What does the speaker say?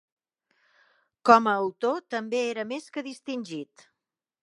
Com a autor també era més que distingit.